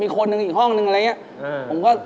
อีกคนนึงอีกห้องนึงอะไรอย่างนี้